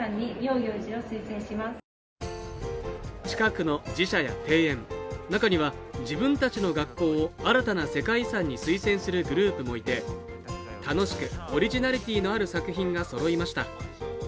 近くの寺社や庭園、中には自分たちの学校を新たな世界遺産に推薦するグループもいて楽しく、オリジナリティーのある作品がそろいました。